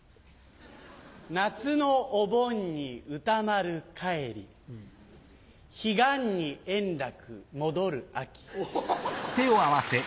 夏のお盆に歌丸帰り彼岸に円楽戻る秋。